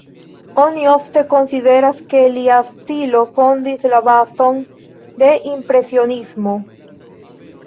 Oni ofte konsideras, ke lia stilo fondis la bazon de impresionismo.